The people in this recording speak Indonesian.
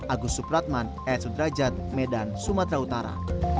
agus supratman ed sudrajat medan sumatera utara